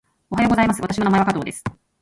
おはようございます。私の名前は加藤です。